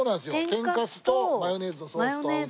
天かすとマヨネーズとソースと青のり。